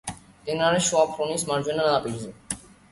მდინარე შუა ფრონის მარჯვენა ნაპირზე.